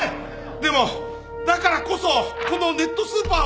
でもだからこそこのネットスーパーを。